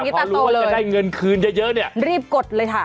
พอรู้ว่าจะได้เงินคืนเยอะเนี่ยรีบกดเลยค่ะ